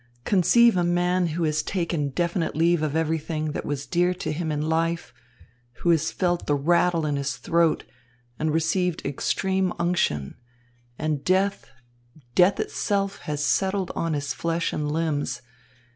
Conceive a man who has taken definite leave of everything that was dear to him in life, who has felt the rattle in his throat, and received extreme unction, and death, death itself, has settled on his flesh and limbs.